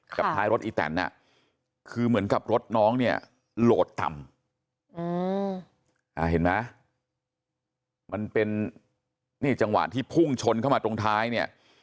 ท้ายรถอีแตนคือเหมือนกับรถน้องเนี่ยโหลดต่ำเห็นไหมมันเป็นนี่จังหวะที่พุ่งชนเข้ามาตรงท้ายเนี่ย